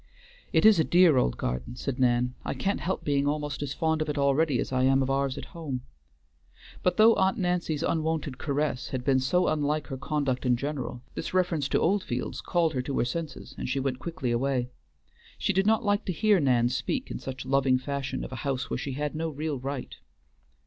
"It is a dear old garden," said Nan. "I can't help being almost as fond of it already as I am of ours at home;" but though Aunt Nancy's unwonted caress had been so unlike her conduct in general, this reference to Oldfields called her to her senses, and she went quickly away. She did not like to hear Nan speak in such loving fashion of a house where she had no real right.